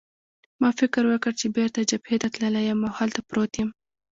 ما فکر وکړ چې بېرته جبهې ته تللی یم او هلته پروت یم.